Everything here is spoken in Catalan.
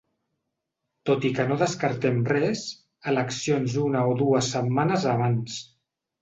Tot i que no descartem res: eleccions una o dues setmanes abans.